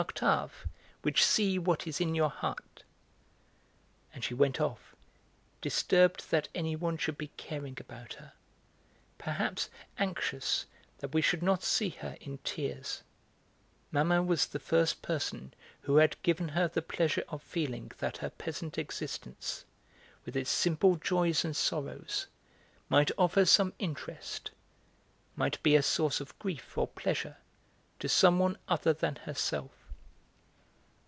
Octave, which see what is in your heart" and she went off, disturbed that anyone should be caring about her, perhaps anxious that we should not see her in tears: Mamma was the first person who had given her the pleasure of feeling that her peasant existence, with its simple joys and sorrows, might offer some interest, might be a source of grief or pleasure to some one other than herself.